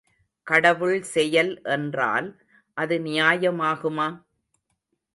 கடவுள் செயல் என்றால் அது நியாயமாகுமா?